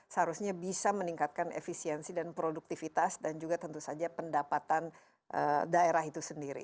seharusnya bisa meningkatkan efisiensi dan produktivitas dan juga tentu saja pendapatan daerah itu sendiri